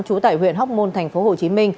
chú tại huyện hóc môn tp hcm